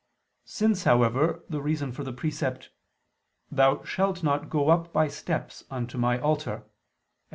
Since, however, the reason for the precept, "Thou shalt not go up by steps unto My altar" (Ex.